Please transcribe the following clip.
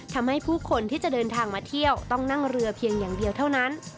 ทำให้ผู้คนที่จะเดินทางมาเที่ยวต้องนั่งเรือเพียงอย่างเดียวเท่านั้น